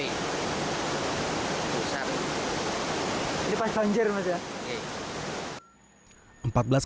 ini pas banjir